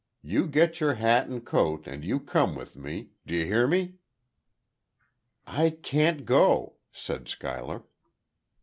You get your hat and coat and you come with me. D'ye hear me?" "I can't go," said Schuyler.